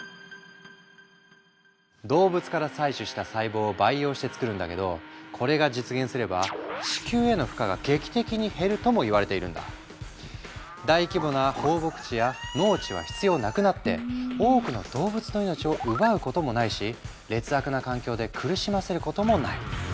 動物から採取した細胞を培養して作るんだけどこれが実現すれば大規模な放牧地や農地は必要なくなって多くの動物の命を奪うこともないし劣悪な環境で苦しませることもない。